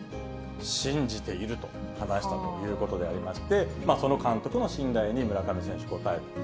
信じていると話したということでありまして、その監督の信頼に、村上選手、応えたと。